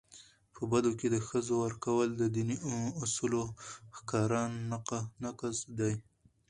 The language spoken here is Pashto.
په بدو کي د ښځو ورکول د دیني اصولو ښکاره نقض دی.